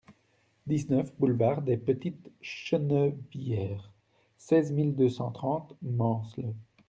dix-neuf boulevard des Petites Chenevières, seize mille deux cent trente Mansle